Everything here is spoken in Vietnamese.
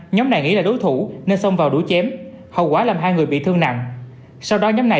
nhóm này nghĩ là đối thủ nên xông vào đũa chém